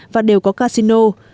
và đều có casino